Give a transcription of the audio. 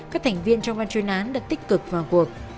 các thành viên trong ban chuyên án đã tích cực vào cuộc